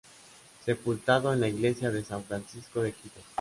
Sepultado en la Iglesia de San Francisco de Quito.